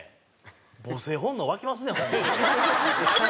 母性本能湧きますねホンマに。